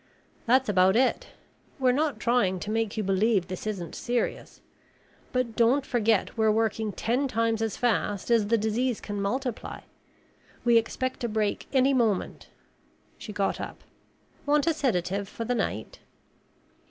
"That's about it. We're not trying to make you believe this isn't serious. But don't forget we're working ten times as fast as the disease can multiply. We expect a break any moment." She got up. "Want a sedative for the night?"